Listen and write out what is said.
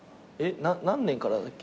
何年からだっけ？